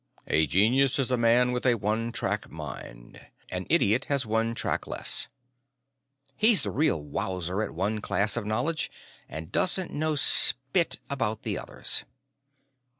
"A genius is a man with a one track mind; an idiot has one track less." He's a real wowser at one class of knowledge, and doesn't know spit about the others.